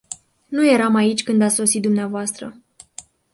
Nu eram aici când ați sosit dvs.